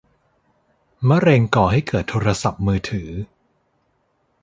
มะเร็งก่อให้เกิดโทรศัพท์มือถือ ?